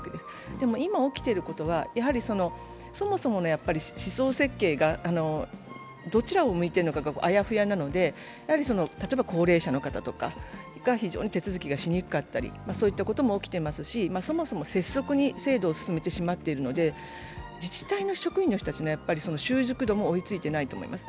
でも今起きていることは、そもそもの思想設計がどちらを向いているのかがあやふやなので、例えば高齢者の方などが非常に手続きがしにくかったりということも起きていますしそもそも拙速に制度を進めてきてしまっているので自治体の職員の人たちの習熟度も追いついてないと思います。